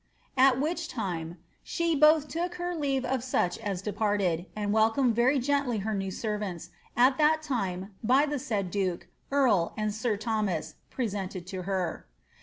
^ At which time she both took her leave of such as departed, and welcomed very gently hei new servants, at that time, by the said duke, earl, and sir Thomas, pre sented to her."